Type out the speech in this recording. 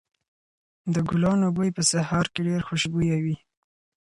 د ګلانو بوی په سهار کې ډېر خوشبويه وي.